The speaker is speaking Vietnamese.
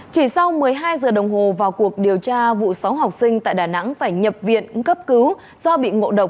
chỉ sau một mươi hai giờ đồng hồ vào cuộc điều tra vụ sáu học sinh tại đà nẵng phải nhập viện cấp cứu do bị ngộ độc